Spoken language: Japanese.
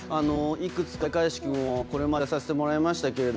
いくつか開会式もこれまで取材させてもらいましたけど